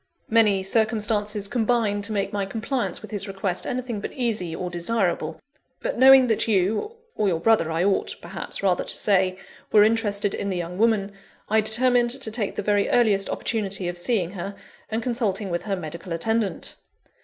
Many circumstances combined to make my compliance with his request anything but easy or desirable; but knowing that you or your brother I ought, perhaps, rather to say were interested in the young woman, I determined to take the very earliest opportunity of seeing her, and consulting with her medical attendant.